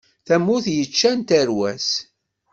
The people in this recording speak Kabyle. Tamurt yeččan tarwa-s.